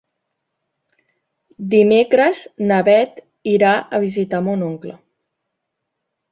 Dimecres na Beth irà a visitar mon oncle.